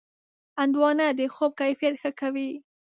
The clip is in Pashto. هندوانه د خوب کیفیت ښه کوي.